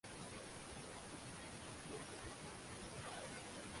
Parlament sobiq kansler Sebastyan Kursni sud qilish uchun ruxsat berdi